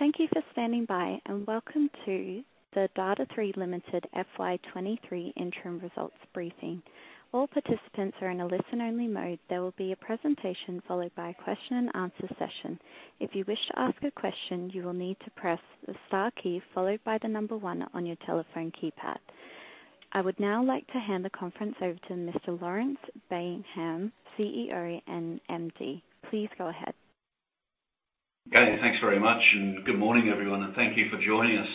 Thank you for standing by, and welcome to the Data#3 Limited FY 2023 interim results briefing. All participants are in a listen-only mode. There will be a presentation followed by a question and answer session. If you wish to ask a question, you will need to press the star key followed by the number one on your telephone keypad. I would now like to hand the conference over to Mr. Laurence Baynham, CEO and MD. Please go ahead. Thanks very much, good morning, everyone, and thank you for joining us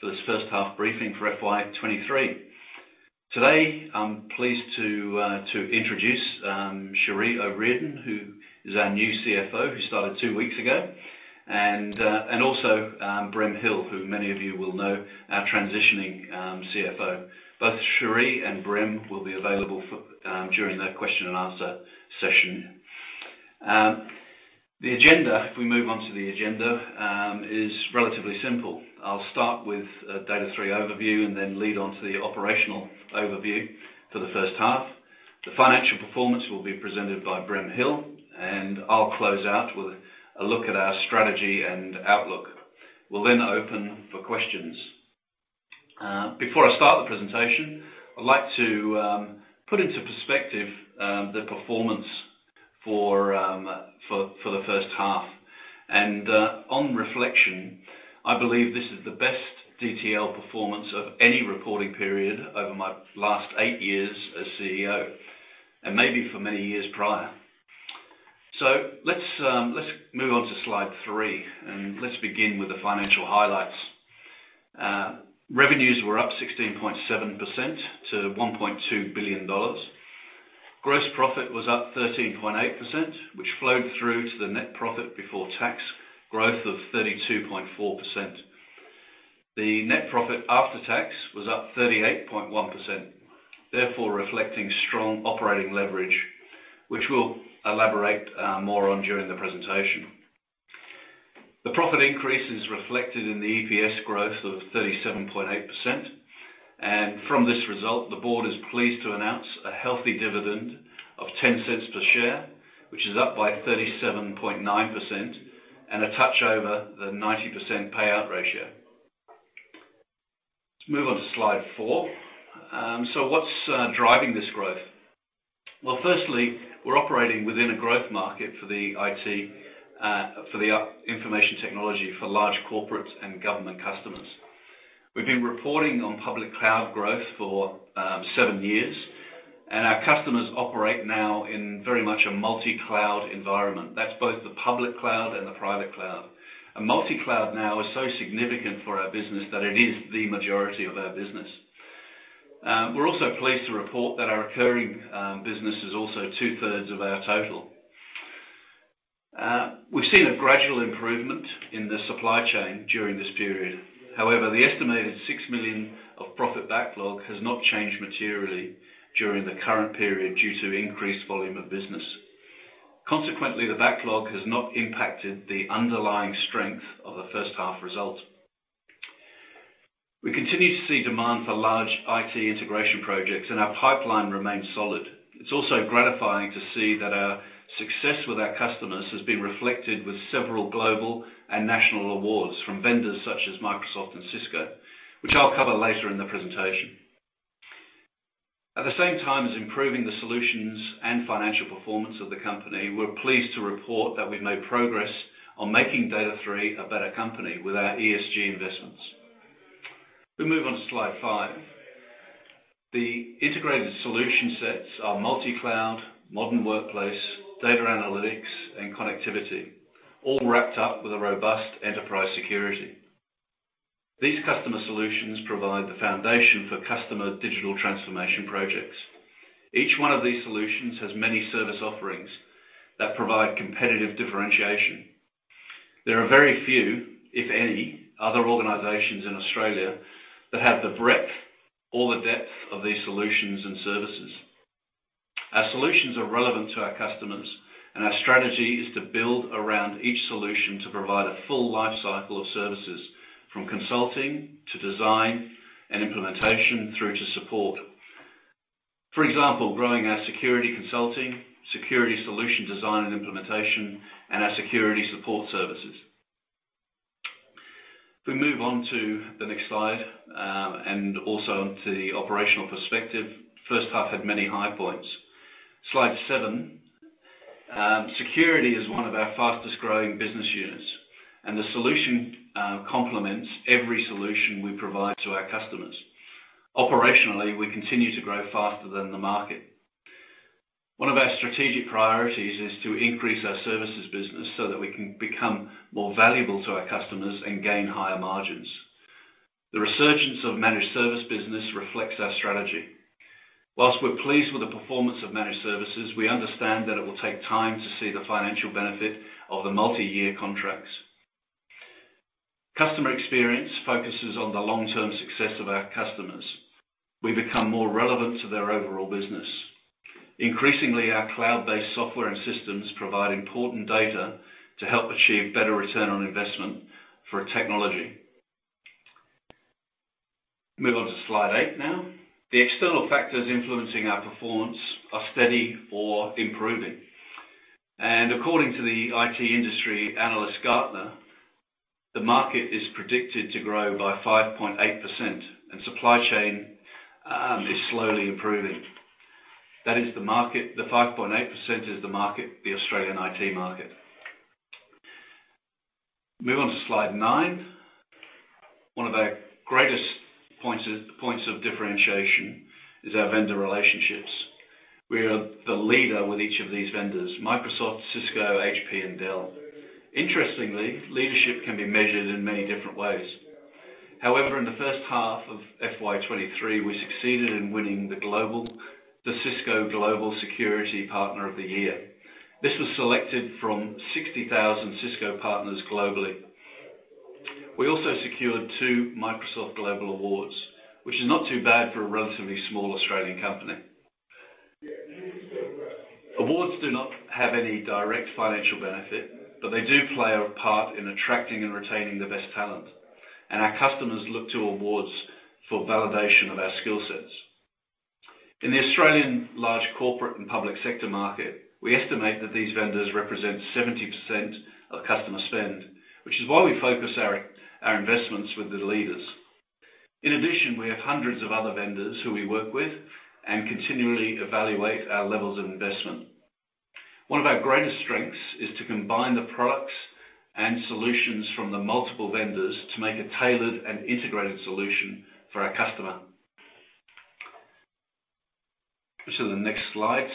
for this first half briefing for FY 2023. Today, I'm pleased to introduce Cherie O'Riordan, who is our new CFO, who started two weeks ago, also Brem Hill, who many of you will know, our transitioning CFO. Both Cherie and Brem will be available for during the question and answer session. The agenda, if we move on to the agenda, is relatively simple. I'll start with a Data#3 overview and lead on to the operational overview for the first half. The financial performance will be presented by Brem Hill, I'll close out with a look at our strategy and outlook. We'll open for questions. Before I start the presentation, I'd like to put into perspective, the performance for the first half. On reflection, I believe this is the best DTL performance of any reporting period over my last eight years as CEO and maybe for many years prior. Let's move on to slide three, and let's begin with the financial highlights. Revenues were up 16.7% to 1.2 billion dollars. Gross profit was up 13.8%, which flowed through to the net profit before tax growth of 32.4%. The net profit after tax was up 38.1%, therefore reflecting strong operating leverage, which we'll elaborate more on during the presentation. The profit increase is reflected in the EPS growth of 37.8%. From this result, the board is pleased to announce a healthy dividend of 0.10 per share, which is up by 37.9% and a touch over the 90% payout ratio. Let's move on to slide four. What's driving this growth? Well, firstly, we're operating within a growth market for the IT, for the information technology for large corporates and government customers. We've been reporting on public cloud growth for seven years, and our customers operate now in very much a multi-cloud environment. That's both the public cloud and the private cloud. A multi-cloud now is so significant for our business that it is the majority of our business. We're also pleased to report that our recurring business is also two-thirds of our total. We've seen a gradual improvement in the supply chain during this period. However, the estimated $6 million of profit backlog has not changed materially during the current period due to increased volume of business. Consequently, the backlog has not impacted the underlying strength of the first half results. We continue to see demand for large IT integration projects, and our pipeline remains solid. It's also gratifying to see that our success with our customers has been reflected with several global and national awards from vendors such as Microsoft and Cisco, which I'll cover later in the presentation. At the same time as improving the solutions and financial performance of the company, we're pleased to report that we've made progress on making Data#3 a better company with our ESG investments. We move on to slide five. The integrated solution sets are multi-cloud, modern workplace, data analytics, and connectivity, all wrapped up with a robust enterprise security. These customer solutions provide the foundation for customer digital transformation projects. Each one of these solutions has many service offerings that provide competitive differentiation. There are very few, if any, other organizations in Australia that have the breadth or the depth of these solutions and services. Our solutions are relevant to our customers. Our strategy is to build around each solution to provide a full life cycle of services from consulting to design and implementation through to support. For example, growing our security consulting, security solution design and implementation, and our security support services. If we move on to the next slide, also onto the operational perspective. First half had many high points. Slide seven. Security is one of our fastest-growing business units. The solution complements every solution we provide to our customers. Operationally, we continue to grow faster than the market. One of our strategic priorities is to increase our services business so that we can become more valuable to our customers and gain higher margins. The resurgence of managed service business reflects our strategy. Whilst we're pleased with the performance of managed services, we understand that it will take time to see the financial benefit of the multi-year contracts. Customer experience focuses on the long-term success of our customers. We become more relevant to their overall business. Increasingly, our cloud-based software and systems provide important data to help achieve better return on investment for technology. Move on to slide eight now. The external factors influencing our performance are steady or improving. According to the IT industry analyst Gartner, the market is predicted to grow by 5.8% and supply chain is slowly improving. That is the market. The 5.8% is the market, the Australian IT market. Move on to slide nine. One of our greatest points of differentiation is our vendor relationships. We are the leader with each of these vendors, Microsoft, Cisco, HP, and Dell. Interestingly, leadership can be measured in many different ways. In the first half of FY 2023, we succeeded in winning the Cisco Global Security Partner of the Year. This was selected from 60,000 Cisco partners globally. We also secured two Microsoft Global Awards, which is not too bad for a relatively small Australian company. Awards do not have any direct financial benefit, they do play a part in attracting and retaining the best talent. Our customers look to awards for validation of our skill sets. In the Australian large corporate and public sector market, we estimate that these vendors represent 70% of customer spend, which is why we focus our investments with the leaders. In addition, we have hundreds of other vendors who we work with and continually evaluate our levels of investment. One of our greatest strengths is to combine the products and solutions from the multiple vendors to make a tailored and integrated solution for our customer. The next slide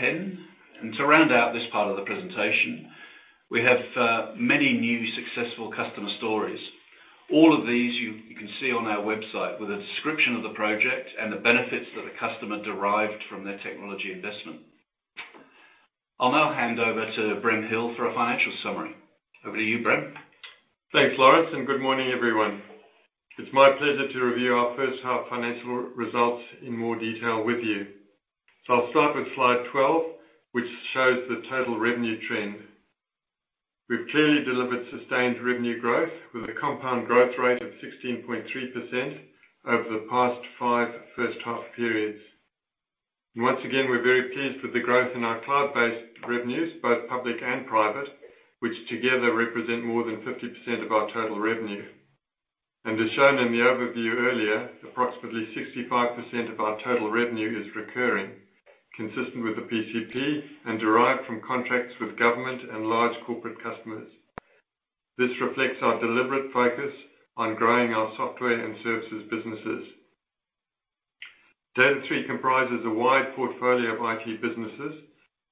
10. To round out this part of the presentation, we have many new successful customer stories. All of these you can see on our website with a description of the project and the benefits that the customer derived from their technology investment. I'll now hand over to Brem Hill for a financial summary. Over to you, Brem. Thanks, Lawrence. Good morning, everyone. It's my pleasure to review our first half financial results in more detail with you. I'll start with slide 12, which shows the total revenue trend. We've clearly delivered sustained revenue growth with a compound growth rate of 16.3% over the past five first half periods. Once again, we're very pleased with the growth in our cloud-based revenues, both public and private, which together represent more than 50% of our total revenue. As shown in the overview earlier, approximately 65% of our total revenue is recurring, consistent with the PCP and derived from contracts with government and large corporate customers. This reflects our deliberate focus on growing our software and services businesses. Data#3 comprises a wide portfolio of IT businesses,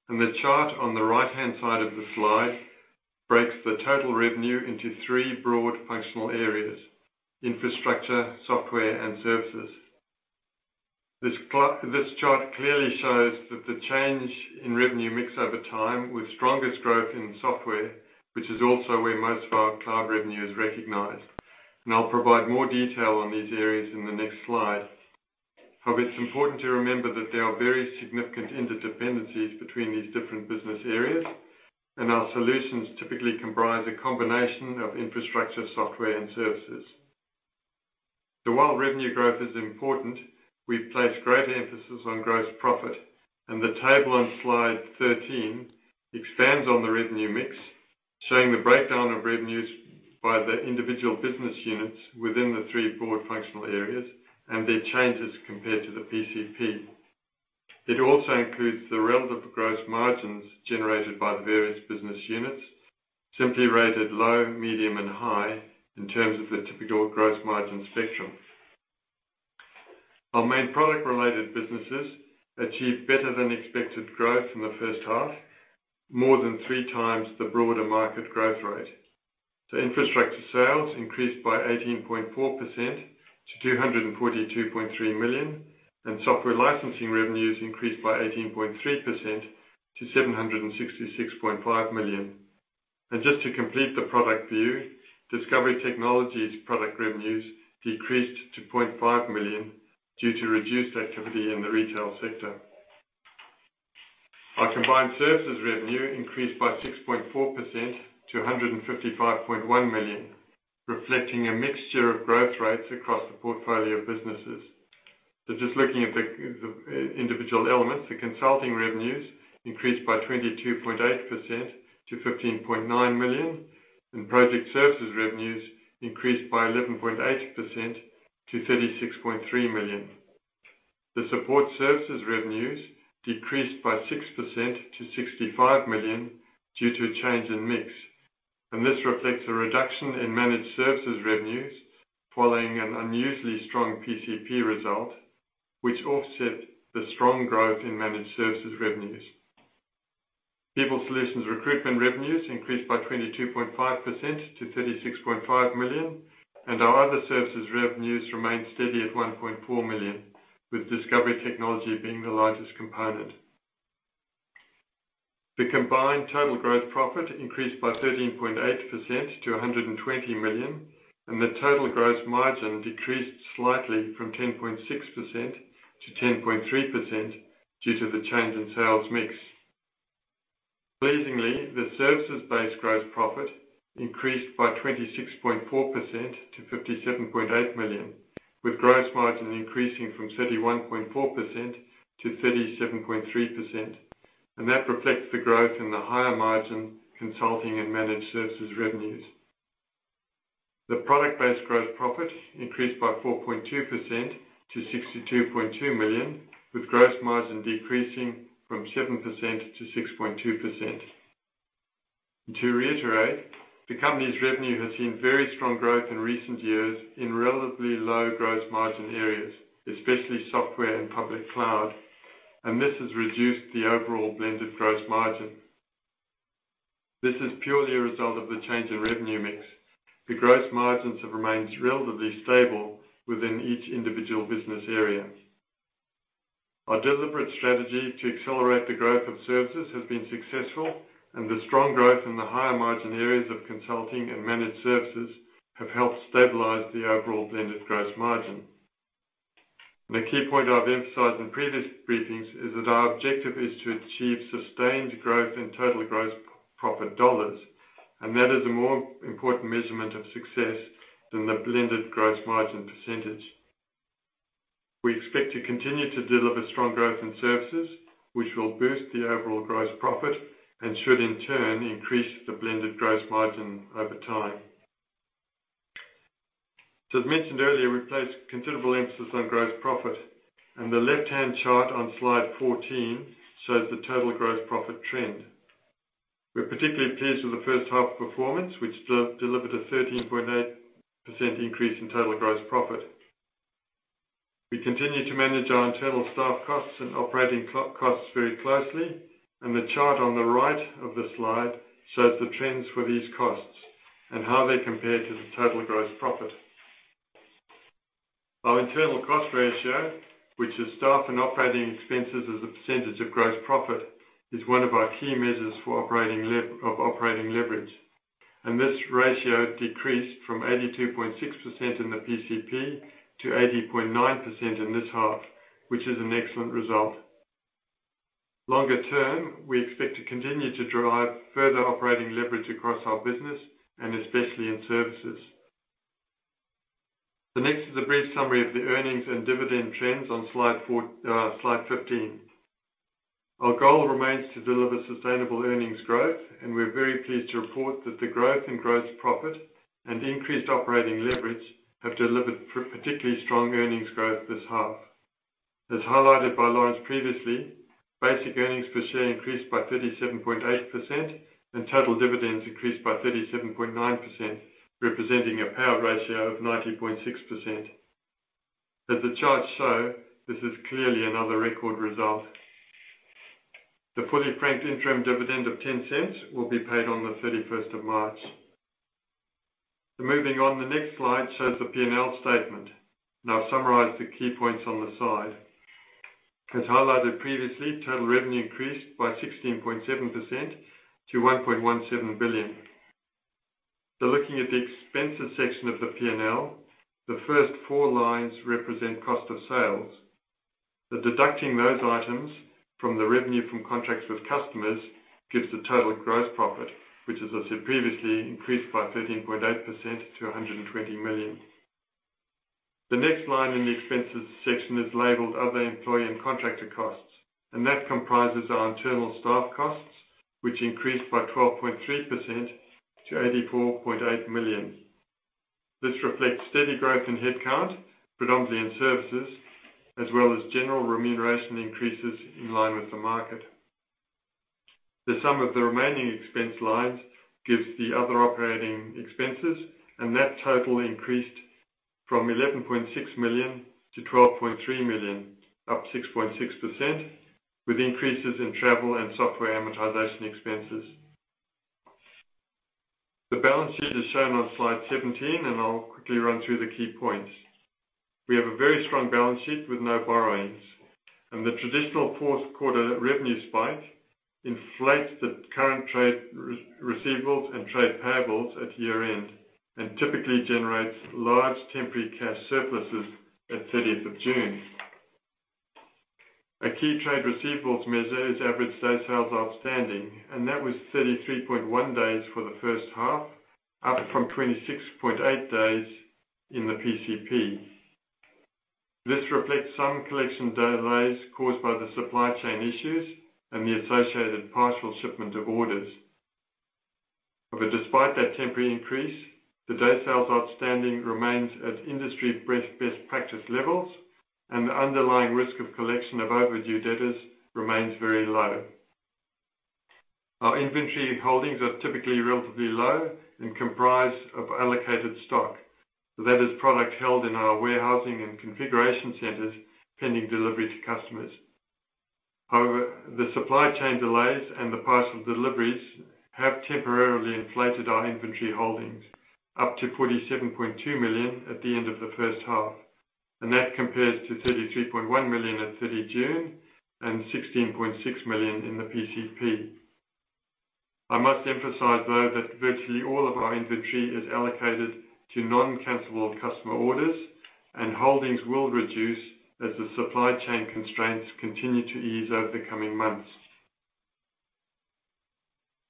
and the chart on the right-hand side of the slide breaks the total revenue into three broad functional areas: infrastructure, software, and services. This chart clearly shows that the change in revenue mix over time with strongest growth in software, which is also where most of our cloud revenue is recognized. I'll provide more detail on these areas in the next slide. However, it's important to remember that there are very significant interdependencies between these different business areas, and our solutions typically comprise a combination of infrastructure, software, and services. While revenue growth is important, we place great emphasis on gross profit. The table on slide 13 expands on the revenue mix, showing the breakdown of revenues by the individual business units within the three broad functional areas and their changes compared to the PCP. It also includes the relative gross margins generated by the various business units, simply rated low, medium, and high in terms of the typical gross margin spectrum. Our main product-related businesses achieved better than expected growth in the first half, more than 3x the broader market growth rate. Infrastructure sales increased by 18.4% to 242.3 million, and software licensing revenues increased by 18.3% to 766.5 million. Just to complete the product view, Discovery Technology product revenues decreased to 0.5 million due to reduced activity in the retail sector. Our combined services revenue increased by 6.4% to 155.1 million, reflecting a mixture of growth rates across the portfolio of businesses. Just looking at the individual elements, the consulting revenues increased by 22.8% to 15.9 million, and project services revenues increased by 11.8% to 36.3 million. The support services revenues decreased by 6% to 65 million due to a change in mix. This reflects a reduction in managed services revenues following an unusually strong PCP result, which offset the strong growth in managed services revenues. People Solutions recruitment revenues increased by 22.5% to 36.5 million, and our other services revenues remained steady at 1.4 million, with Discovery Technology being the largest component. The combined total gross profit increased by 13.8% to 120 million. The total gross margin decreased slightly from 10.6% to 10.3% due to the change in sales mix. Pleasingly, the services-based gross profit increased by 26.4% to 57.8 million, with gross margin increasing from 31.4%-37.3%. That reflects the growth in the higher margin consulting and managed services revenues. The product-based gross profit increased by 4.2% to 62.2 million, with gross margin decreasing from 7% to 6.2%. To reiterate, the company's revenue has seen very strong growth in recent years in relatively low gross margin areas, especially software and public cloud. This has reduced the overall blended gross margin. This is purely a result of the change in revenue mix. The gross margins have remained relatively stable within each individual business area. Our deliberate strategy to accelerate the growth of services has been successful, and the strong growth in the higher margin areas of consulting and managed services have helped stabilize the overall blended gross margin. The key point I've emphasized in previous briefings is that our objective is to achieve sustained growth in total gross profit dollars, and that is a more important measurement of success than the blended gross margin percent. We expect to continue to deliver strong growth in services, which will boost the overall gross profit and should in turn increase the blended gross margin over time. As mentioned earlier, we place considerable emphasis on gross profit, and the left-hand chart on slide 14 shows the total gross profit trend. We're particularly pleased with the first half performance, which delivered a 13.8% increase in total gross profit. We continue to manage our internal staff costs and operating costs very closely. The chart on the right of the slide shows the trends for these costs and how they compare to the total gross profit. Our internal cost ratio, which is staff and operating expenses as a % of gross profit, is one of our key measures for operating leverage. This ratio decreased from 82.6% in the PCP to 80.9% in this half, which is an excellent result. Longer term, we expect to continue to drive further operating leverage across our business and especially in services. The next is a brief summary of the earnings and dividend trends on slide four, slide 15. Our goal remains to deliver sustainable earnings growth, and we're very pleased to report that the growth in gross profit and increased operating leverage have delivered particularly strong earnings growth this half. As highlighted by Lawrence previously, basic earnings per share increased by 37.8% and total dividends increased by 37.9%, representing a payout ratio of 90.6%. As the charts show, this is clearly another record result. The fully franked interim dividend of 0.10 will be paid on the 31st of March. Moving on, the next slide shows the P&L statement. I'll summarize the key points on the side. As highlighted previously, total revenue increased by 16.7% to 1.17 billion. Looking at the expenses section of the P&L, the first four lines represent cost of sales. The deducting those items from the revenue from contracts with customers gives the total gross profit, which as I said previously, increased by 13.8% to 120 million. The next line in the expenses section is labeled Other employee and contractor costs, and that comprises our internal staff costs, which increased by 12.3% to 84.8 million. This reflects steady growth in headcount, predominantly in services, as well as general remuneration increases in line with the market. The sum of the remaining expense lines gives the other operating expenses, and that total increased from 11.6 million-12.3 million, up 6.6%, with increases in travel and software amortization expenses. The balance sheet is shown on slide 17, and I'll quickly run through the key points. We have a very strong balance sheet with no borrowings. The traditional fourth-quarter revenue spike inflates the current trade receivables and trade payables at year-end and typically generates large temporary cash surpluses at thirtieth of June. A key trade receivables measure is average days sales outstanding. That was 33.1 days for the first half, up from 26.8 days in the PCP. This reflects some collection delays caused by the supply chain issues and the associated partial shipment of orders. Despite that temporary increase, the days sales outstanding remains at industry best practice levels and the underlying risk of collection of overdue debtors remains very low. Our inventory holdings are typically relatively low and comprise of allocated stock. That is product held in our warehousing and configuration centers pending delivery to customers. The supply chain delays and the parcel deliveries have temporarily inflated our inventory holdings up to 47.2 million at the end of the first half. That compares to 33.1 million at 30 June and 16.6 million in the PCP. I must emphasize, though, that virtually all of our inventory is allocated to non-cancelable customer orders, and holdings will reduce as the supply chain constraints continue to ease over the coming months.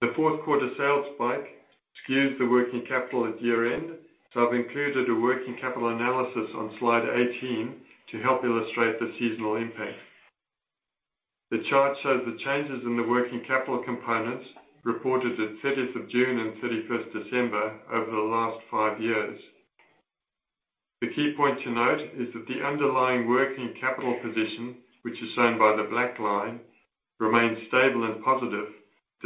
The fourth quarter sales spike skews the working capital at year-end, I've included a working capital analysis on slide 18 to help illustrate the seasonal impact. The chart shows the changes in the working capital components reported at 30th of June and 31st December over the last five years. The key point to note is that the underlying working capital position, which is shown by the black line, remains stable and positive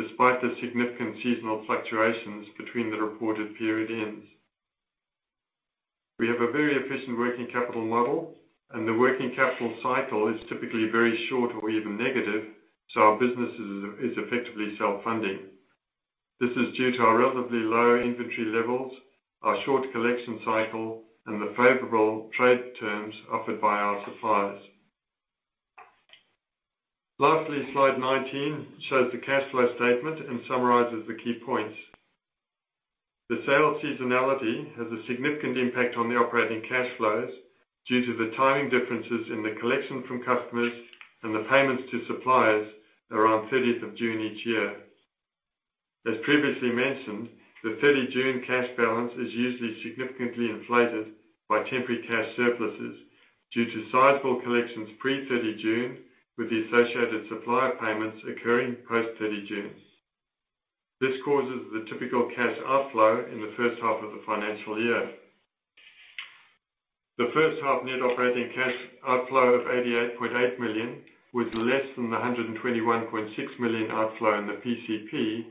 despite the significant seasonal fluctuations between the reported period ends. We have a very efficient working capital model, and the working capital cycle is typically very short or even negative, so our business is effectively self-funding. This is due to our relatively low inventory levels, our short collection cycle, and the favorable trade terms offered by our suppliers. Lastly, slide 19 shows the cash flow statement and summarizes the key points. The sales seasonality has a significant impact on the operating cash flows due to the timing differences in the collection from customers and the payments to suppliers around 30th of June each year. As previously mentioned, the 30 June cash balance is usually significantly inflated by temporary cash surpluses due to sizable collections pre 30 June with the associated supplier payments occurring post 30 June. This causes the typical cash outflow in the first half of the financial year. The first half net operating cash outflow of 88.8 million was less than the 121.6 million outflow in the PCP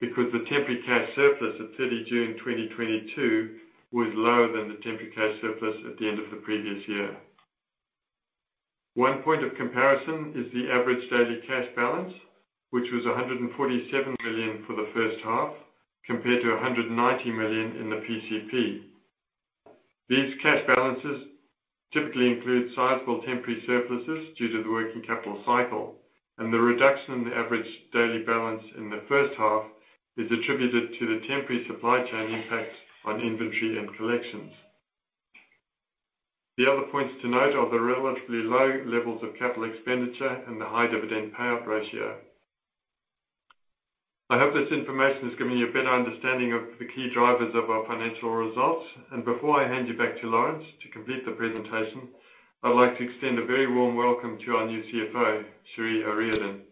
because the temporary cash surplus at 30 June 2022 was lower than the temporary cash surplus at the end of the previous year. One point of comparison is the average daily cash balance, which was 147 million for the first half compared to 190 million in the PCP. These cash balances typically include sizable temporary surpluses due to the working capital cycle, the reduction in the average daily balance in the first half is attributed to the temporary supply chain impacts on inventory and collections. The other points to note are the relatively low levels of capital expenditure and the high dividend payout ratio. I hope this information has given you a better understanding of the key drivers of our financial results. Before I hand you back to Laurence to complete the presentation, I'd like to extend a very warm welcome to our new CFO, Cherie O'Riordan,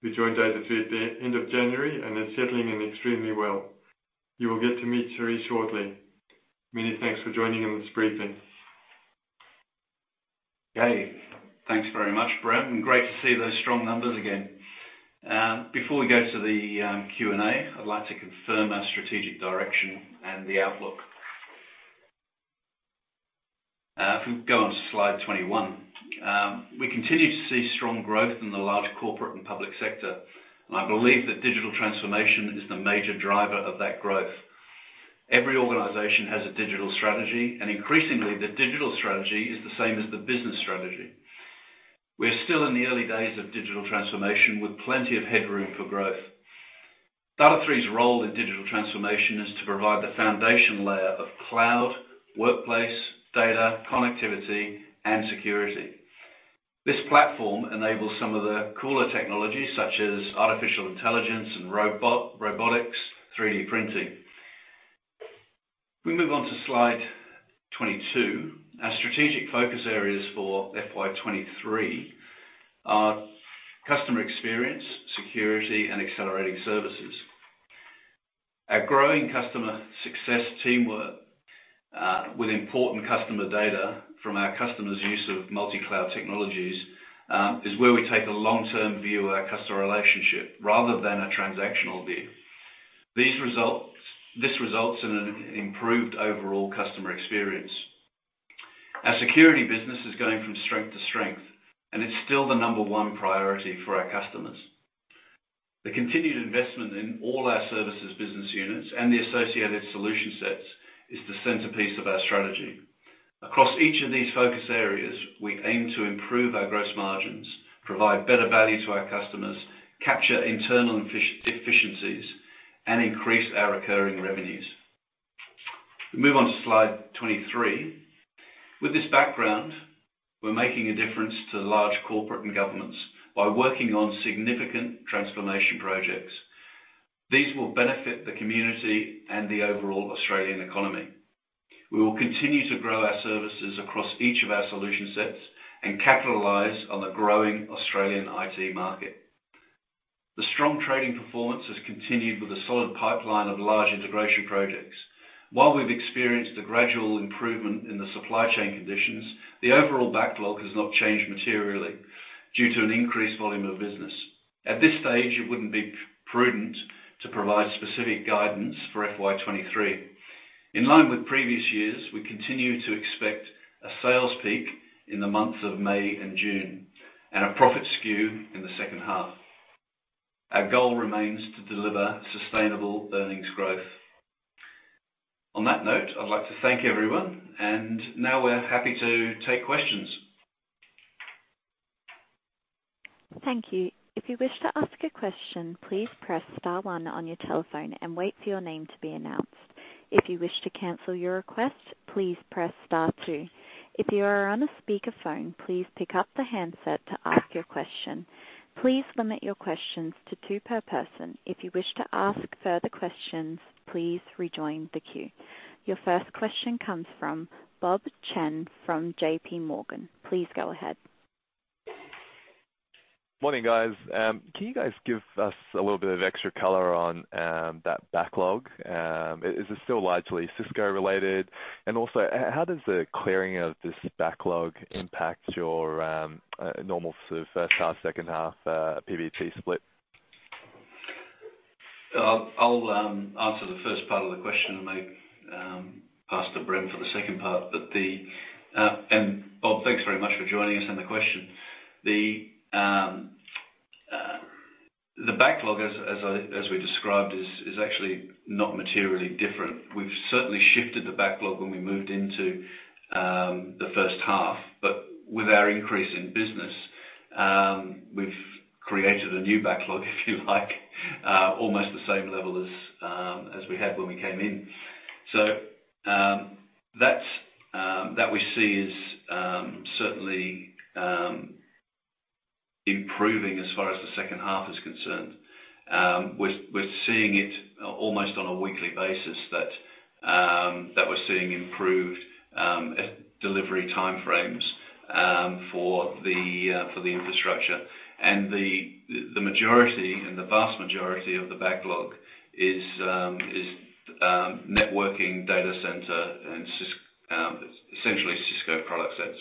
who joined Data#3 at the end of January and is settling in extremely well. You will get to meet Cherie shortly. Many thanks for joining in this briefing. Okay. Thanks very much, Brett, and great to see those strong numbers again. Before we go to the Q&A, I'd like to confirm our strategic direction and the outlook. If we go on to slide 21. We continue to see strong growth in the large corporate and public sector. I believe that digital transformation is the major driver of that growth. Every organization has a digital strategy, and increasingly the digital strategy is the same as the business strategy. We're still in the early days of digital transformation with plenty of headroom for growth. Data#3 role in digital transformation is to provide the foundation layer of cloud, workplace, data, connectivity, and security. This platform enables some of the cooler technologies such as artificial intelligence and robotics, 3D printing. If we move on to slide 22. Our strategic focus areas for FY 2023 are customer experience, security, and accelerating services. Our growing customer success teamwork, with important customer data from our customers' use of multi-cloud technologies, is where we take a long-term view of our customer relationship rather than a transactional view. This results in an improved overall customer experience. Our security business is going from strength to strength, and it's still the number 1 priority for our customers. The continued investment in all our services business units and the associated solution sets is the centerpiece of our strategy. Across each of these focus areas, we aim to improve our gross margins, provide better value to our customers, capture internal efficiencies, and increase our recurring revenues. If we move on to slide 23. With this background, we're making a difference to large corporate and governments by working on significant transformation projects. These will benefit the community and the overall Australian economy. We will continue to grow our services across each of our solution sets and capitalize on the growing Australian IT market. The strong trading performance has continued with a solid pipeline of large integration projects. While we've experienced a gradual improvement in the supply chain conditions, the overall backlog has not changed materially due to an increased volume of business. At this stage, it wouldn't be prudent to provide specific guidance for FY 2023. In line with previous years, we continue to expect a sales peak in the months of May and June and a profit skew in the second half. Our goal remains to deliver sustainable earnings growth. On that note, I'd like to thank everyone, and now we're happy to take questions. Thank you. If you wish to ask a question, please press star one on your telephone and wait for your name to be announced. If you wish to cancel your request, please press star two. If you are on a speakerphone, please pick up the handset to ask your question. Please limit your questions to two per person. If you wish to ask further questions, please rejoin the queue. Your first question comes from Bob Chen from JPMorgan. Please go ahead. Morning, guys. Can you guys give us a little bit of extra color on that backlog? Is it still largely Cisco-related? Also, how does the clearing of this backlog impact your normal sort of first half, second half, PVP split? I'll answer the first part of the question and maybe pass to Brem for the second part. The. Bob, thanks very much for joining us and the question. The backlog, as we described, is actually not materially different. We've certainly shifted the backlog when we moved into the first half, but with our increase in business, we've created a new backlog, if you like, almost the same level as we had when we came in. That's that we see is certainly improving as far as the second half is concerned. We're seeing it almost on a weekly basis that we're seeing improved delivery timeframes for the infrastructure. The majority and the vast majority of the backlog is networking data center and essentially Cisco product sets.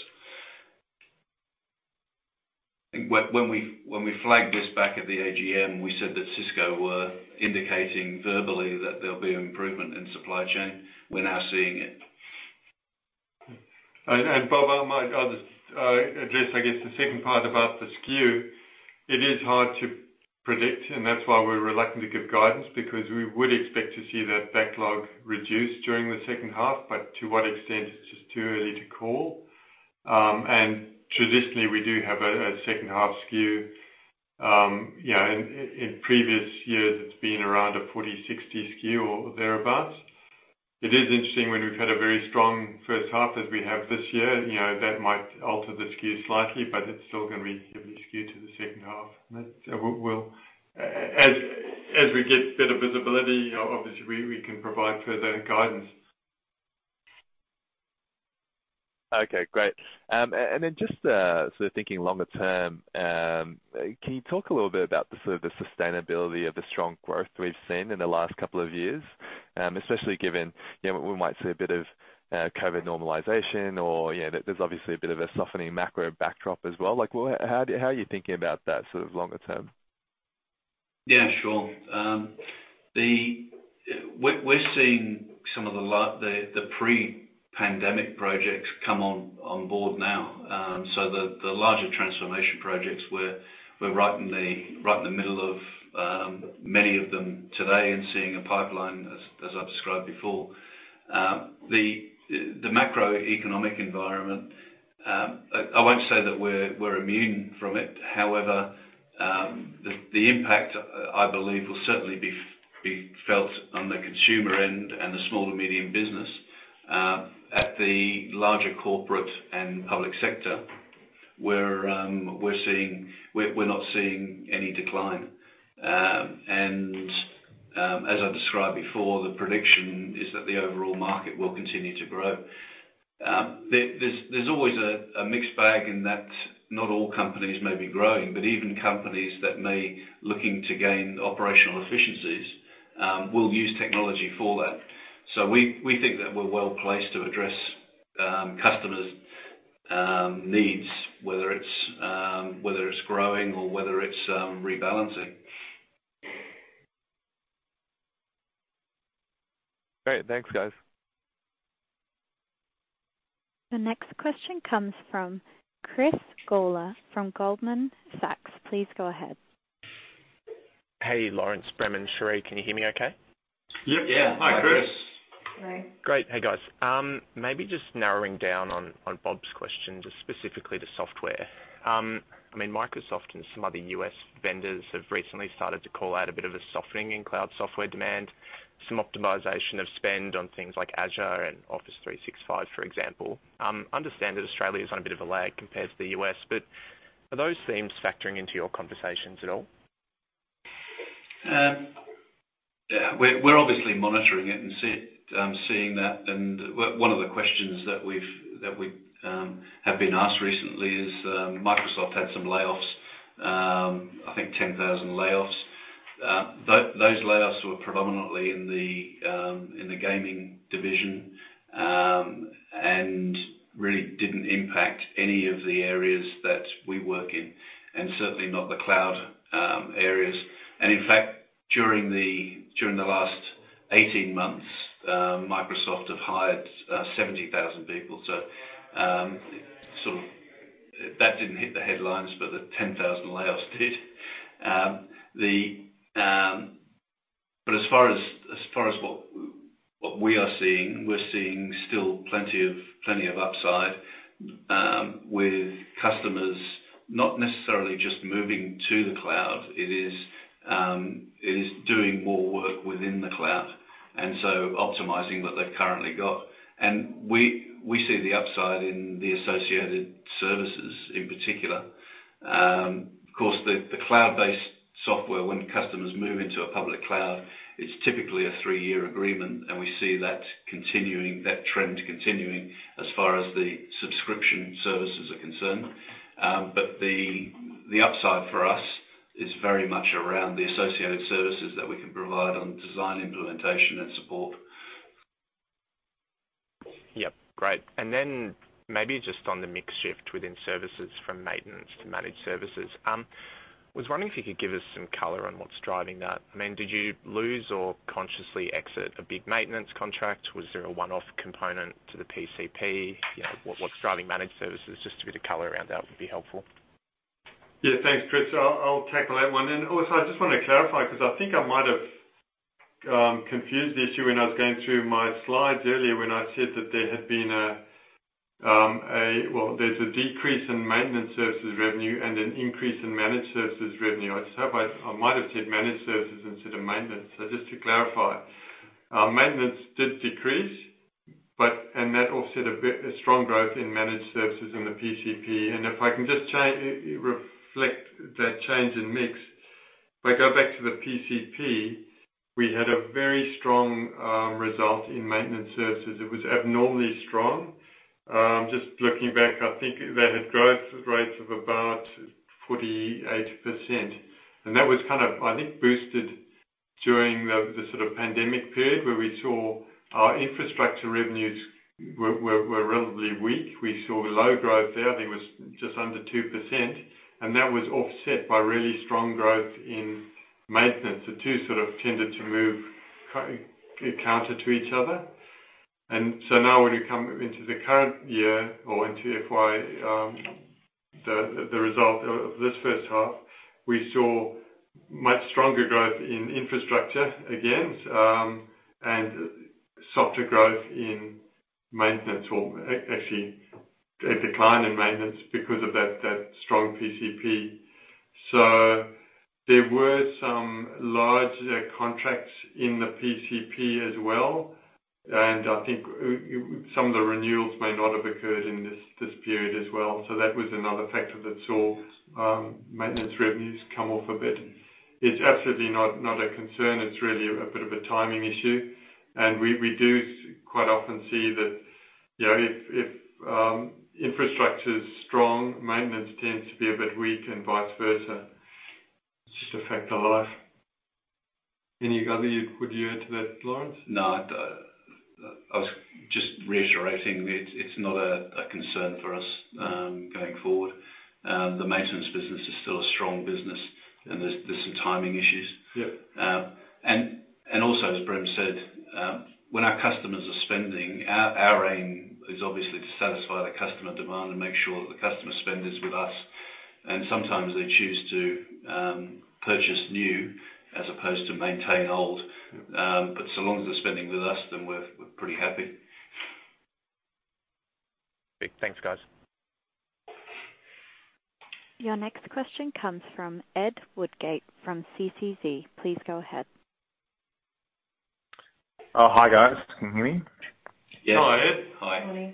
When we flagged this back at the AGM, we said that Cisco were indicating verbally that there'll be improvement in supply chain. We're now seeing it. Bob, I might, I'll just address, I guess, the second part about the skew. It is hard to predict, and that's why we're reluctant to give guidance, because we would expect to see that backlog reduce during the second half, but to what extent, it's just too early to call. And traditionally we do have a second half skew. You know, in previous years it's been around a 40/60 skew or thereabout. It is interesting when we've had a very strong first half as we have this year. You know, that might alter the skew slightly, but it's still gonna be heavily skewed to the second half. As we get better visibility, obviously we can provide further guidance. Okay, great. Then just, sort of thinking longer term, can you talk a little bit about the sort of the sustainability of the strong growth we've seen in the last couple of years, especially given, you know, we might see a bit of COVID normalization or, you know, there's obviously a bit of a softening macro backdrop as well. How are you thinking about that sort of longer term? Yeah, sure. We're seeing some of the pre-pandemic projects come on board now. The larger transformation projects, we're right in the middle of many of them today and seeing a pipeline as I've described before. The macroeconomic environment, I won't say that we're immune from it. However, the impact, I believe, will certainly be felt on the consumer end and the small to medium business. At the larger corporate and public sector, we're not seeing any decline. As I described before, the prediction is that the overall market will continue to grow. There's always a mixed bag in that not all companies may be growing, but even companies that may looking to gain operational efficiencies, will use technology for that. We think that we're well placed to address customers', needs, whether it's, whether it's growing or whether it's, rebalancing. Great. Thanks, guys. The next question comes from Chris Goller from Goldman Sachs. Please go ahead. Hey, Laurence, Brem and Cherie. Can you hear me okay? Yep. Yeah. Hi, Chris. Hello. Great. Hey, guys. Maybe just narrowing down on Bob's question, just specifically to software. I mean, Microsoft and some other U.S. Vendors have recently started to call out a bit of a softening in cloud software demand, some optimization of spend on things like Azure and Office 365, for example. Understand that Australia is on a bit of a lag compared to the U.S., but are those themes factoring into your conversations at all? Yeah. We're obviously monitoring it and seeing that, and one of the questions that we've, that we have been asked recently is, Microsoft had some layoffs, I think 10,000 layoffs. Those layoffs were predominantly in the gaming division, and really didn't impact any of the areas that we work in, and certainly not the cloud areas. In fact, during the last 18 months, Microsoft have hired 70,000 people. Sort of that didn't hit the headlines, but the 10,000 layoffs did. As far as what we are seeing, we're seeing still plenty of upside with customers not necessarily just moving to the cloud. It is doing more work within the cloud, and so optimizing what they've currently got. We see the upside in the associated services in particular. Of course, the cloud-based software, when customers move into a public cloud, it's typically a three-year agreement, and we see that continuing, that trend continuing as far as the subscription services are concerned. The upside for us is very much around the associated services that we can provide on design implementation and support. Yep, great. Maybe just on the mix shift within services from maintenance to managed services. Was wondering if you could give us some color on what's driving that. I mean, did you lose or consciously exit a big maintenance contract? Was there a one-off component to the PCP? You know, what's driving managed services? Just a bit of color around that would be helpful. Yeah, thanks, Chris. I'll tackle that one. I just wanna clarify, 'cause I think I might have confused the issue when I was going through my slides earlier when I said that there had been a Well, there's a decrease in maintenance services revenue and an increase in managed services revenue. I said but I might have said managed services instead of maintenance. Just to clarify, maintenance did decrease, and that offset a bit, a strong growth in managed services in the PCP. If I can just change, reflect that change in mix. If I go back to the PCP, we had a very strong result in maintenance services. It was abnormally strong. Just looking back, I think they had growth rates of about 48%. That was kind of, I think, boosted during the sort of pandemic period where we saw our infrastructure revenues were relatively weak. We saw low growth there. I think it was just under 2%. That was offset by really strong growth in maintenance. The two sort of tended to move counter to each other. Now when you come into the current year or into FY, the result of this first half, we saw much stronger growth in infrastructure again, and softer growth in maintenance or actually a decline in maintenance because of that strong PCP. There were some large contracts in the PCP as well, and I think some of the renewals may not have occurred in this period as well. That was another factor that saw maintenance revenues come off a bit. It's absolutely not a concern. It's really a bit of a timing issue. We do quite often see that, you know, if infrastructure's strong, maintenance tends to be a bit weak and vice versa. It's just a fact of life. Any other you would you add to that, Laurence? No. I was just reiterating it's not a concern for us going forward. The maintenance business is still a strong business and there's some timing issues. Yeah. Also, as Brem said, when our customers are spending, our aim is obviously to satisfy the customer demand and make sure that the customer spend is with us. Sometimes they choose to purchase new as opposed to maintain old. So long as they're spending with us, then we're pretty happy. Great. Thanks, guys. Your next question comes from Ed Woodgate from Jarden. Please go ahead. Oh, hi, guys. Can you hear me? Yes. Hello, Ed. Hi. Morning.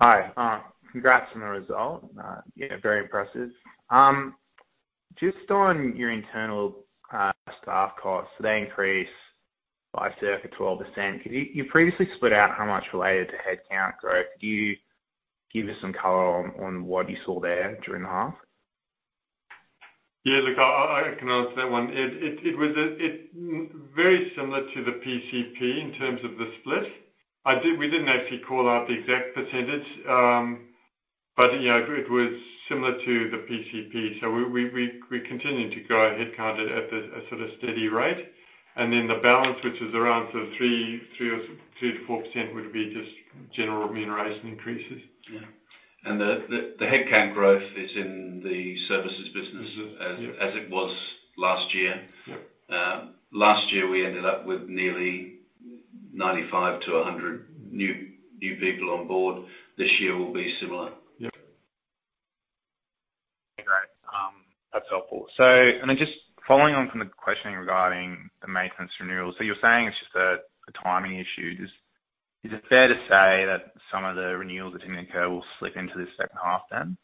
Hi. Congrats on the result. Yeah, very impressive. Just on your internal staff costs, they increased by circa 12%. You previously split out how much related to headcount growth. Could you give us some color on what you saw there during the half? Yeah. Look, I can answer that one, Ed. It was very similar to the PCP in terms of the split. We didn't actually call out the exact percentage, but, you know, it was similar to the PCP. We continued to grow headcount at a sort of steady rate. Then the balance, which was around sort of 2%-4%, would be just general remuneration increases. Yeah. The headcount growth is in the services business- Mm-hmm. Yeah.... as it was last year. Yeah. Last year, we ended up with nearly 95-100 new people on board. This year will be similar. Yeah. Okay, great. That's helpful. I mean, just following on from the questioning regarding the maintenance renewals, you're saying it's just a timing issue. Is it fair to say that some of the renewals that didn't occur will slip into this second half then?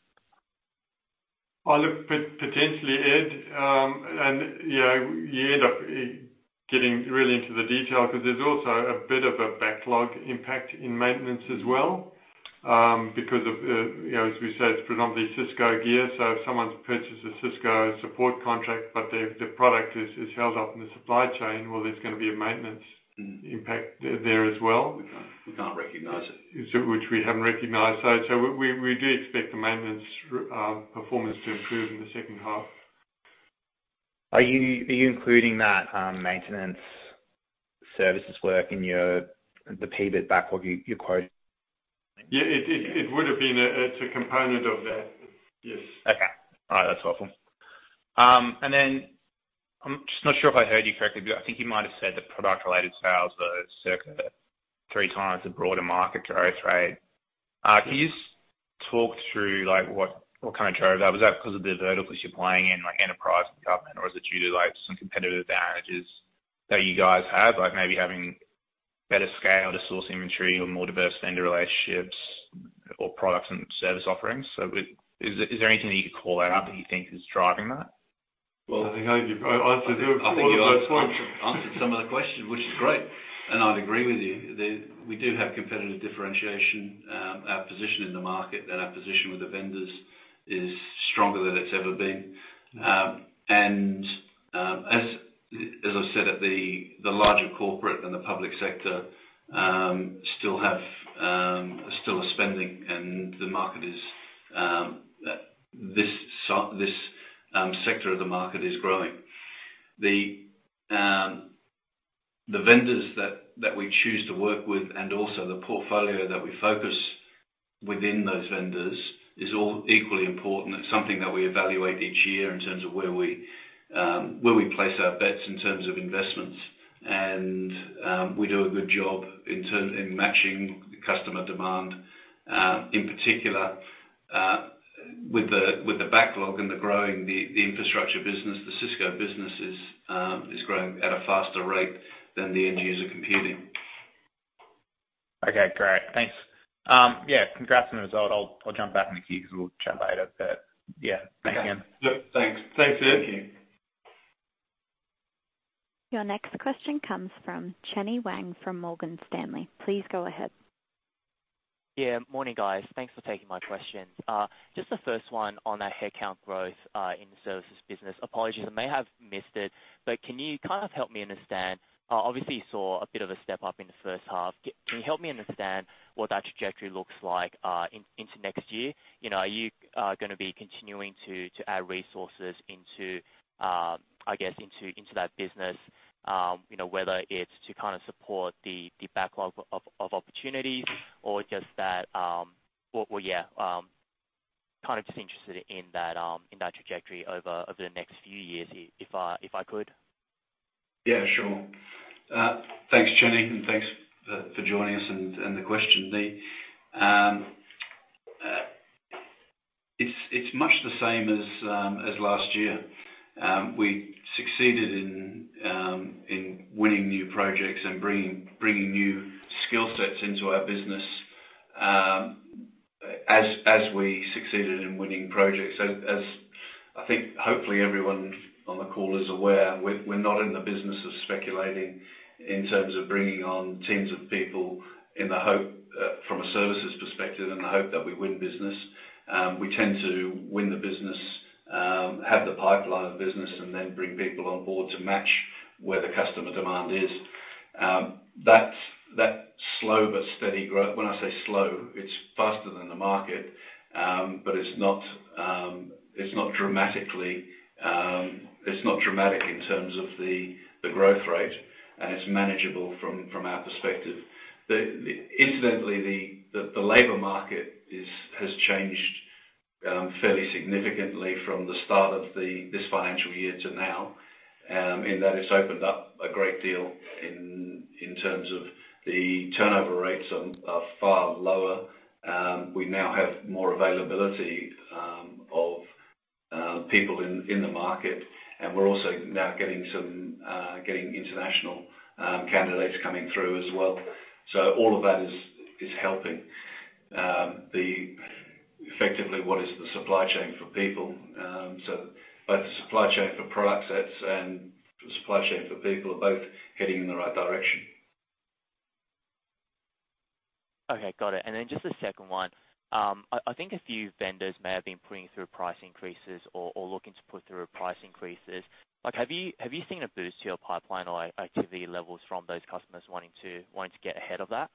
Well, look, potentially, Ed, you know, you end up getting really into the detail because there's also a bit of a backlog impact in maintenance as well, because of, you know, as we said, it's predominantly Cisco gear. If someone's purchased a Cisco support contract, but the product is held up in the supply chain, well, there's gonna be a maintenance. Mm-hmm... impact there as well. We can't recognize it. Which we haven't recognized. We do expect the maintenance performance to improve in the second half. Are you including that maintenance services work in your, the PBIT backlog you quoted? Yeah, it's a component of that. Yes. Okay. All right. That's helpful. Then I'm just not sure if I heard you correctly, but I think you might have said that product-related sales were circa 3x the broader market growth rate. Can you just talk through, like, what kind of drove that? Was that because of the verticals you're playing in, like enterprise and government, or is it due to, like, some competitive advantages that you guys have, like maybe having better scale to source inventory or more diverse vendor relationships or products and service offerings? Is there anything that you could call that out that you think is driving that? Well, I think I answered all of those points. I think you answered some of the questions, which is great. I'd agree with you. We do have competitive differentiation. Our position in the market and our position with the vendors is stronger than it's ever been. As I said, at the larger corporate and the public sector, still have, still are spending and the market is, this sector of the market is growing. The vendors that we choose to work with and also the portfolio that we focus within those vendors is all equally important. It's something that we evaluate each year in terms of where we place our bets in terms of investments. We do a good job in matching customer demand, in particular, with the backlog and growing infrastructure business. The Cisco business is growing at a faster rate than the end user computing. Okay, great. Thanks. Yeah, congrats on the result. I'll jump back in the queue because we'll chat later. Yeah, thank you. Yeah. Thanks. Thanks, Ian. Thank you. Your next question comes from Chenny Wang from Morgan Stanley. Please go ahead. Yeah. Morning, guys. Thanks for taking my questions. Just the first one on our headcount growth in the services business. Apologies if I may have missed it, but can you kind of help me understand? Obviously you saw a bit of a step up in the first half. Can you help me understand what that trajectory looks like into next year? You know, are you gonna be continuing to add resources into, I guess, into that business? You know, whether it's to kind of support the backlog of opportunities or just that. Well, yeah, kind of just interested in that in that trajectory over the next few years here if I, if I could. Yeah, sure. Thanks, Chenny, and thanks for joining us and the question. The, it's much the same as last year. We succeeded in winning new projects and bringing new skill sets into our business, as we succeeded in winning projects. As I think hopefully everyone on the call is aware, we're not in the business of speculating in terms of bringing on teams of people in the hope, from a services perspective, in the hope that we win business. We tend to win the business, have the pipeline of business, and then bring people on board to match where the customer demand is. That's that slow but steady grow... When I say slow, it's faster than the market, but it's not dramatically, it's not dramatic in terms of the growth rate, and it's manageable from our perspective. Incidentally, the labor market has changed fairly significantly from the start of this financial year to now, in that it's opened up a great deal in terms of the turnover rates are far lower. We now have more availability of people in the market, and we're also now getting some getting international candidates coming through as well. All of that is helping the effectively what is the supply chain for people. Both the supply chain for product sets and the supply chain for people are both heading in the right direction. Okay. Got it. Then just the second one. I think a few vendors may have been putting through price increases or looking to put through price increases. Like, have you seen a boost to your pipeline or activity levels from those customers wanting to get ahead of that?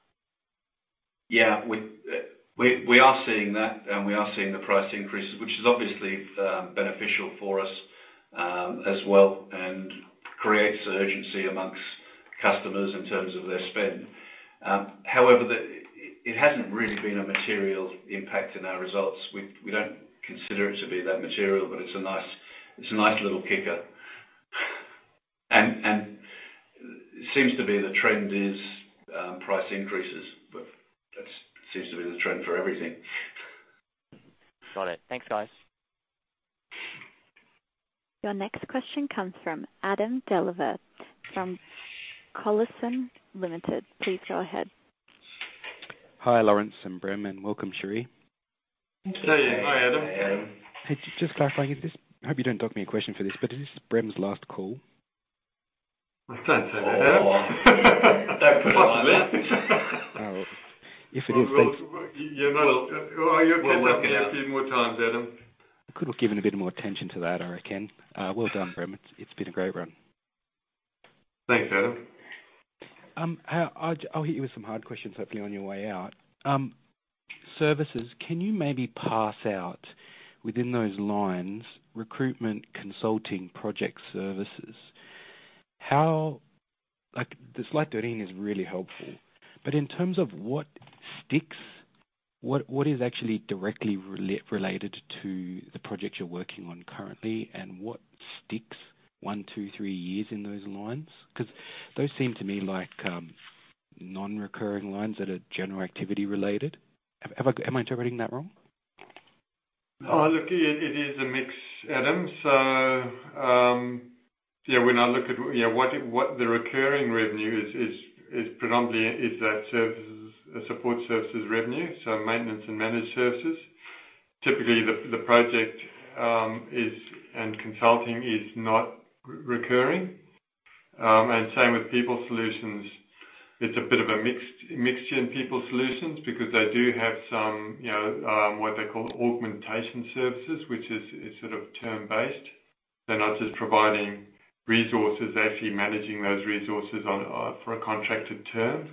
Yeah. We are seeing that, and we are seeing the price increases, which is obviously beneficial for us as well and creates urgency amongst customers in terms of their spend. However, it hasn't really been a material impact in our results. We don't consider it to be that material, but it's a nice little kicker. Seems to be the trend is price increases, but that seems to be the trend for everything. Got it. Thanks, guys. Your next question comes from Adam Dellaverde from Taylor Collison Limited. Please go ahead. Hi, Lawrence and Brem, and welcome, Cherie. Thank you. Hi, Adam. Hey, just clarifying, Hope you don't dock me a question for this, but is this Brem's last call? Don't say that, Adam. Oh, wow. Don't put it like that. If it is, thanks. Well, you'll catch up with me a few more times, Adam. I could have given a bit more attention to that, I reckon. Well done, Brem. It's been a great run. Thanks, Adam. I'll hit you with some hard questions, hopefully on your way out. Services, can you maybe parse out within those lines recruitment consulting project services? How, like, the slide 13 is really helpful. In terms of what sticks, what is actually directly related to the projects you're working on currently, and what sticks one, two, three years in those lines? Those seem to me like non-recurring lines that are general activity related. Am I interpreting that wrong? Look, it is a mix, Adam. Yeah, when I look at, you know, what the recurring revenue is predominantly that services support services revenue, so maintenance and managed services. Typically the project is, and consulting is not recurring. Same with People Solutions. It's a bit of a mixture in People Solutions because they do have some, you know, what they call augmentation services, which is sort of term-based. They're not just providing resources, they're actually managing those resources on for a contracted term.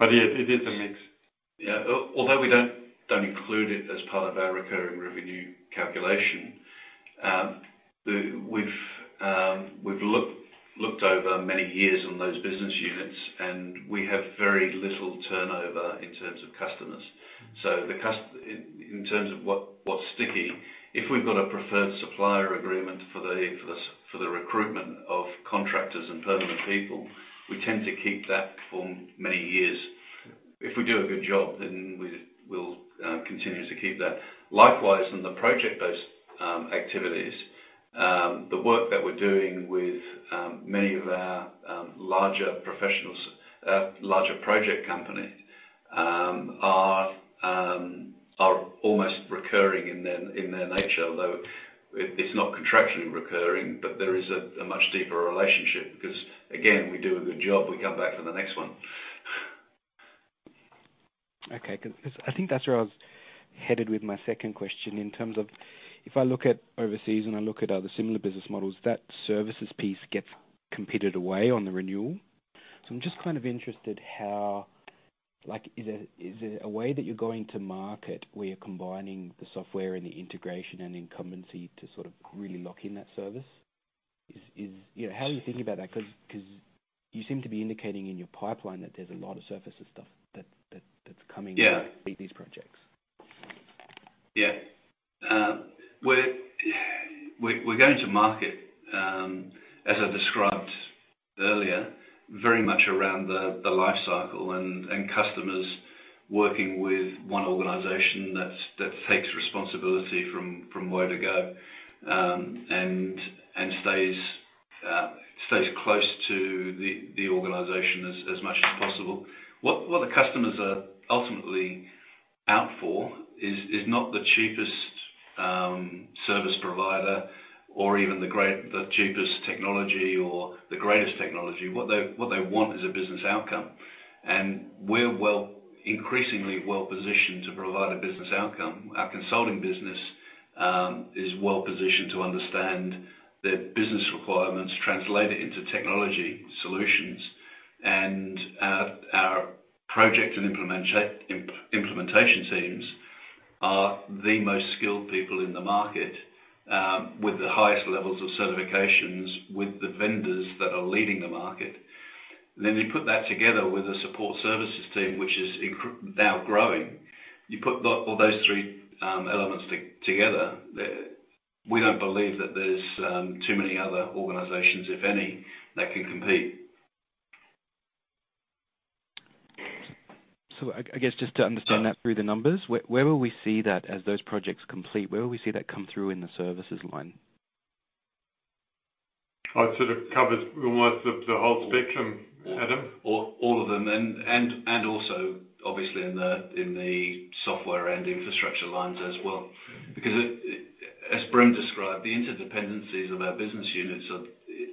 Yeah, it is a mix. Although we don't include it as part of our recurring revenue calculation, we've looked over many years on those business units, and we have very little turnover in terms of customers. In terms of what's sticky, if we've got a preferred supplier agreement for the recruitment of contractors and permanent people, we tend to keep that for many years. If we do a good job, we will continue to keep that. Likewise, in the project-based activities, the work that we're doing with many of our larger project company are almost recurring in their nature, although it's not contractually recurring. There is a much deeper relationship because, again, we do a good job, we come back for the next one. Okay. 'Cause I think that's where I was headed with my second question in terms of if I look at overseas and I look at other similar business models, that services piece gets competed away on the renewal. I'm just kind of interested how is there a way that you're going to market where you're combining the software and the integration and incumbency to sort of really lock in that service? You know, how are you thinking about that? 'Cause you seem to be indicating in your pipeline that there's a lot of services stuff that's coming. Yeah... with these projects. Yeah. We're going to market, as I described earlier, very much around the life cycle and customers working with one organization that's, that takes responsibility from where to go, and stays close to the organization as much as possible. What the customers are ultimately out for is not the cheapest service provider or even the cheapest technology or the greatest technology. What they want is a business outcome, increasingly well positioned to provide a business outcome. Our consulting business is well positioned to understand their business requirements, translate it into technology solutions. Our project and implementation teams are the most skilled people in the market, with the highest levels of certifications with the vendors that are leading the market. You put that together with a support services team which is now growing. You put all those three elements together. We don't believe that there's too many other organizations, if any, that can compete. I guess just to understand that through the numbers, where will we see that as those projects complete? Where will we see that come through in the services line? It sort of covers almost the whole spectrum, Adam. All of them and also obviously in the software and infrastructure lines as well. Because as Brem described, the interdependencies of our business units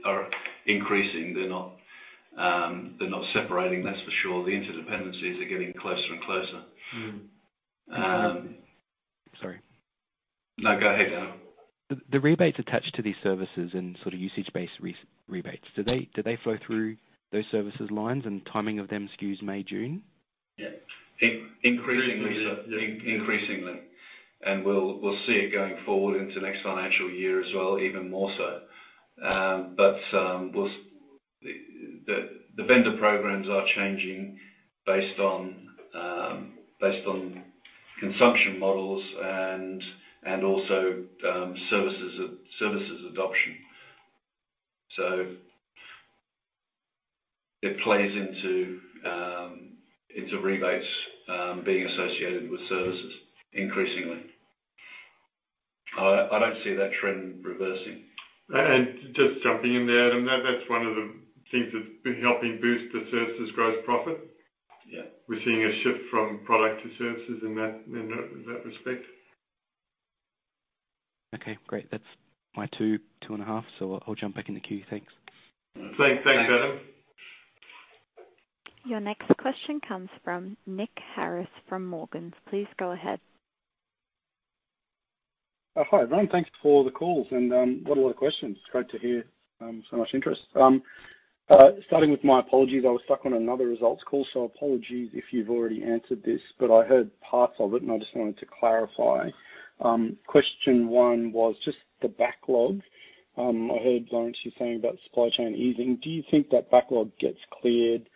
are increasing. They're not separating, that's for sure. The interdependencies are getting closer and closer. Sorry. No, go ahead, Adam. The rebates attached to these services and sort of usage-based rebates, do they flow through those services lines and timing of them skews May, June? Yeah. Increasingly so. Increasingly. We'll see it going forward into next financial year as well even more so. The vendor programs are changing based on consumption models and also services adoption. It plays into rebates being associated with services increasingly. I don't see that trend reversing. Just jumping in there, Adam. That's one of the things that's been helping boost the services gross profit. Yeah. We're seeing a shift from product to services in that respect. Okay, great. That's my two and a half, so I'll jump back in the queue. Thanks. Thanks. Thanks, Adam. Your next question comes from Nick Harris from Morgans. Please go ahead. Oh, hi, everyone. Thanks for the calls and what a lot of questions. Great to hear so much interest. Starting with my apologies, I was stuck on another results call, so apologies if you've already answered this, but I heard parts of it, and I just wanted to clarify. Question one was just the backlog. I heard, Laurence, you saying about supply chain easing. Do you think that backlog gets cleared,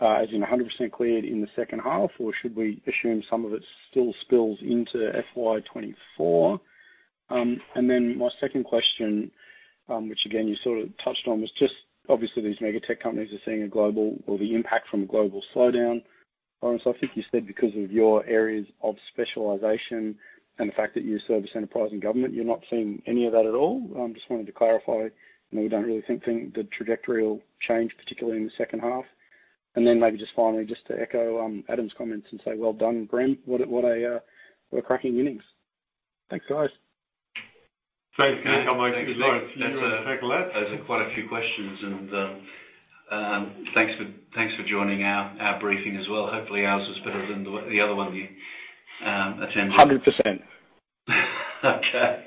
as in 100% cleared in the second half? Or should we assume some of it still spills into FY24? My second question, which again you sort of touched on, was just obviously these mega tech companies are seeing a global or the impact from a global slowdown. Laurence, I think you said because of your areas of specialization and the fact that you service enterprise and government, you're not seeing any of that at all. I'm just wanting to clarify, we don't really think the trajectory will change, particularly in the second half. Then maybe just finally, just to echo Adam's comments and say, well done, Graham. What a cracking innings. Thanks, guys. Thanks. Can I come back to you, Nick? Those are quite a few questions, and thanks for joining our briefing as well. Hopefully, ours was better than the other one you attended. 100%. Okay.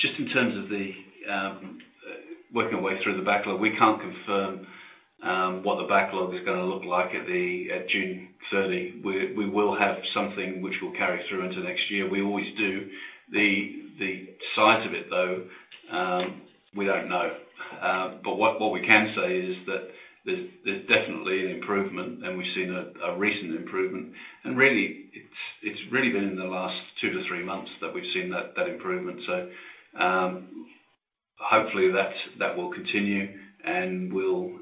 Just in terms of the working our way through the backlog, we can't confirm what the backlog is gonna look like at June 30. We will have something which will carry through into next year. We always do. The size of it, though, we don't know. What we can say is that there's definitely an improvement, and we've seen a recent improvement. Really, it's really been in the last two to three months that we've seen that improvement. Hopefully that will continue and will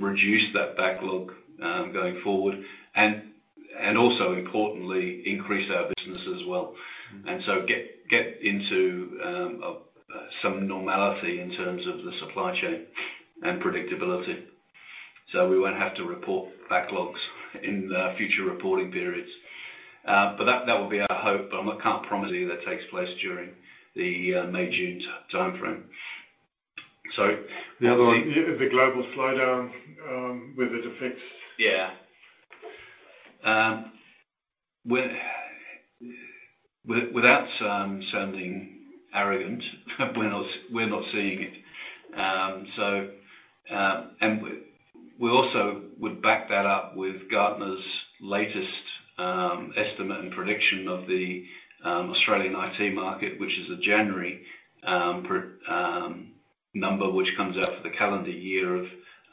reduce that backlog going forward and also importantly, increase our business as well. Get into some normality in terms of the supply chain and predictability. We won't have to report backlogs in future reporting periods. That would be our hope, but I'm not, can't promise you that takes place during the May-June timeframe. Sorry. The other one. The global slowdown. Without sounding arrogant, we're not seeing it. We also would back that up with Gartner's latest estimate and prediction of the Australian IT market, which is a January number which comes out for the calendar year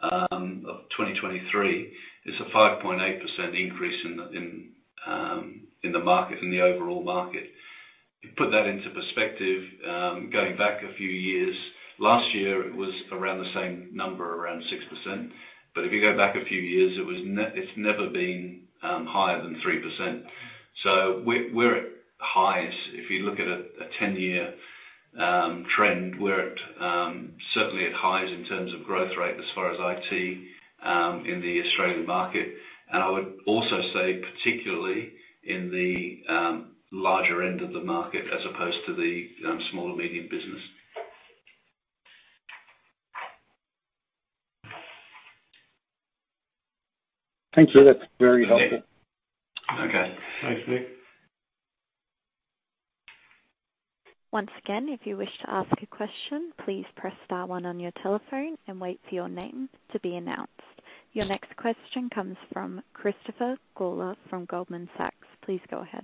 of 2023. It's a 5.8% increase in the overall market. You put that into perspective, going back a few years. Last year, it was around the same number, around 6%. If you go back a few years, it's never been higher than 3%. We're at highs. If you look at a 10-year trend, we're certainly at highs in terms of growth rate as far as IT in the Australian market. I would also say particularly in the larger end of the market as opposed to the small or medium business. Thank you. That's very helpful. Okay. Thanks, Nick. Once again, if you wish to ask a question, please press star one on your telephone and wait for your name to be announced. Your next question comes from Chris Gawler from Goldman Sachs. Please go ahead.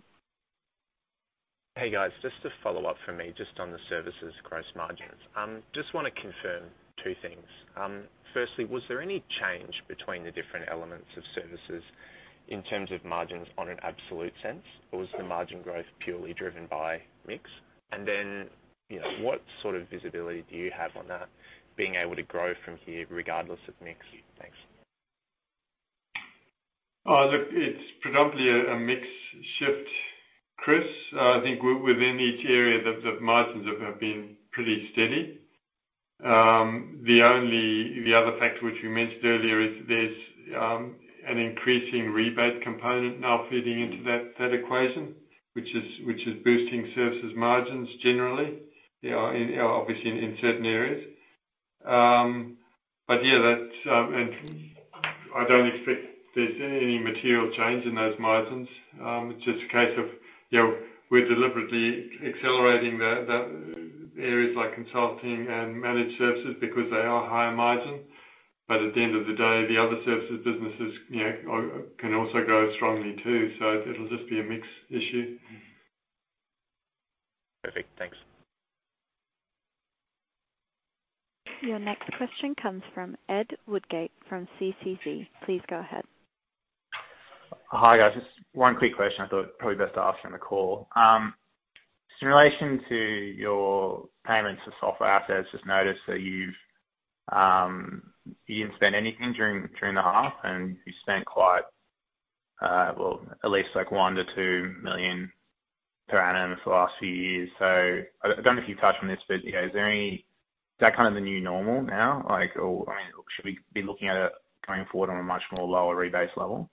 Hey, guys. Just a follow-up for me just on the services gross margins. Just wanna confirm two things. Firstly, was there any change between the different elements of services in terms of margins on an absolute sense? Was the margin growth purely driven by mix? You know, what sort of visibility do you have on that being able to grow from here regardless of mix? Thanks. Look, it's predominantly a mix shift, Chris. I think within each area the margins have been pretty steady. The only other factor which we mentioned earlier is there's an increasing rebate component now feeding into that equation, which is boosting services margins generally. Yeah, obviously in certain areas. Yeah, that's, and I don't expect there's any material change in those margins. It's just a case of, you know, we're deliberately accelerating the areas like consulting and managed services because they are higher margin. At the end of the day, the other services businesses, you know, can also grow strongly too. It'll just be a mix issue. Perfect. Thanks. Your next question comes from Ed Woodgate from CCZ Statton Equities. Please go ahead. Hi, guys. Just one quick question I thought probably best to ask on the call. Just in relation to your payments for software assets, just noticed that you've, you didn't spend anything during the half, and you spent quite, well, at least like 1 million-2 million per annum for the last few years. I don't know if you've touched on this, but, you know, is that kind of the new normal now? Like, or, I mean, should we be looking at it going forward on a much more lower rebase level?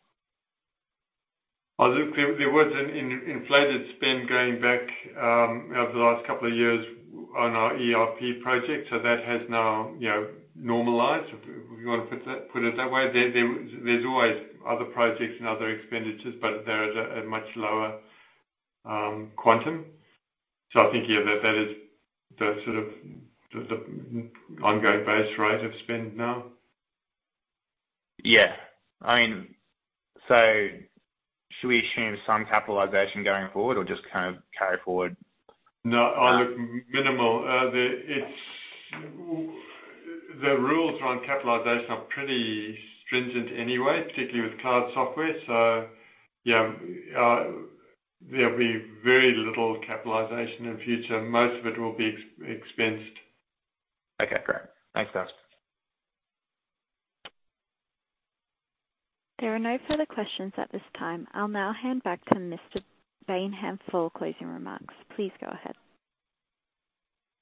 Oh, look, there was an in-inflated spend going back over the last couple of years on our ERP project. That has now, you know, normalized, if you wanna put it that way. There's always other projects and other expenditures, but they're at a much lower quantum. I think, yeah, that is the sort of the ongoing base rate of spend now. Yeah. I mean, should we assume some capitalization going forward or just kind of carry forward? No. Oh, look, minimal. The rules around capitalization are pretty stringent anyway, particularly with cloud software. Yeah, there'll be very little capitalization in future. Most of it will be expensed. Okay, great. Thanks, guys. There are no further questions at this time. I'll now hand back to Mr. Baynham for closing remarks. Please go ahead.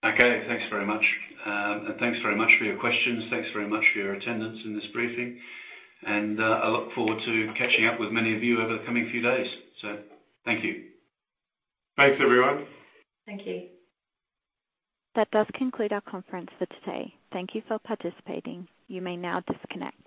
Okay, thanks very much. Thanks very much for your questions. Thanks very much for your attendance in this briefing. I look forward to catching up with many of you over the coming few days. Thank you. Thanks, everyone. Thank you. That does conclude our conference for today. Thank you for participating. You may now disconnect.